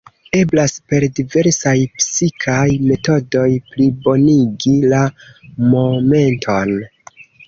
Eblas per diversaj psikaj metodoj "plibonigi la momenton".